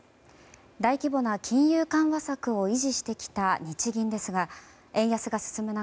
大規模な金融緩和策を維持してきた日銀ですが円安が進む中